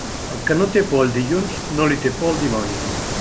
El que no té por al dilluns, no li té por al dimoni.